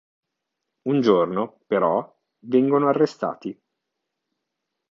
Un giorno, però, vengono arrestati.